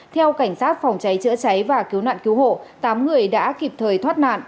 theo cảnh sát phòng cháy chữa cháy và cứu nạn cứu hộ tám người đã kịp thời thoát nạn